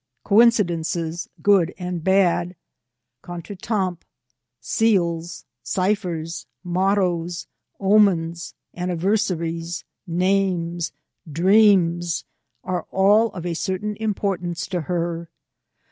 Coincidences, good and bad, contretemps, seals, ciphers, mottoes, omens, anniversaries, names, dreams, are all of a certain importance to her.